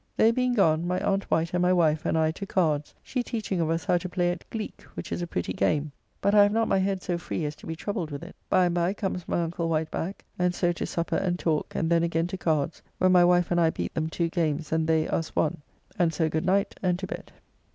They being gone, my aunt Wight and my wife and I to cards, she teaching of us how to play at gleeke, which is a pretty game; but I have not my head so free as to be troubled with it. By and by comes my uncle Wight back, and so to supper and talk, and then again to cards, when my wife and I beat them two games and they us one, and so good night and to bed.